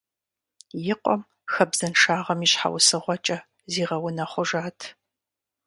И къуэм хабзэншагъэм и щхьэусыгъуэкӏэ зигъэунэхъужат.